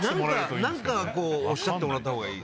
何かおっしゃってもらったほうがいい。